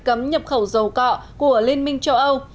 cấm nhập khẩu dầu cọ của liên minh châu âu